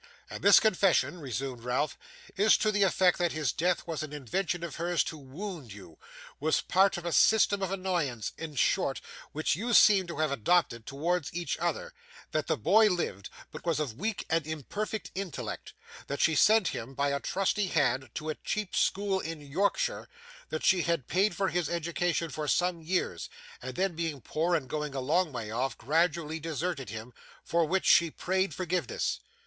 'And this confession,' resumed Ralph, 'is to the effect that his death was an invention of hers to wound you was a part of a system of annoyance, in short, which you seem to have adopted towards each other that the boy lived, but was of weak and imperfect intellect that she sent him by a trusty hand to a cheap school in Yorkshire that she had paid for his education for some years, and then, being poor, and going a long way off, gradually deserted him, for which she prayed forgiveness?